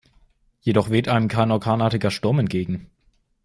Jedoch weht einem kein orkanartiger Sturm entgegen.